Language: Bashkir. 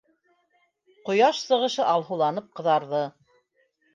Ҡояш сығышы алһыуланып ҡыҙарҙы.